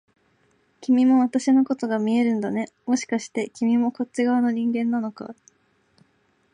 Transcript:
君も私のことが見えるんだね、もしかして君もこっち側の人間なのか？